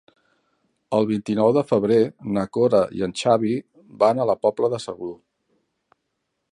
El vint-i-nou de febrer na Cora i en Xavi van a la Pobla de Segur.